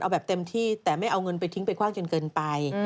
เอาแบบเต็มที่แต่ไม่เอาเงินไปทิ้งไปกว้างจนเกินไป